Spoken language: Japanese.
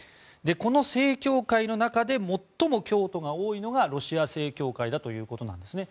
この正教会の中で最も教徒が多いのがロシア正教会ということなんですね。